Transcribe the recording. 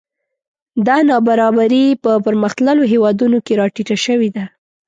دا نابرابري په پرمختللو هېوادونو کې راټیټه شوې ده